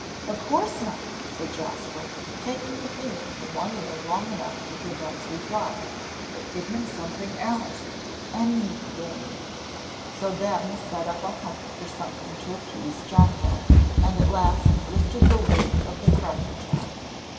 "Of course not," said Jasper, taking the finger from one ear long enough to hear Ben's reply; "but get him something else anything " So Ben set up a hunt for something to appease Jocko, and at last lifted the lid of the cracker jar.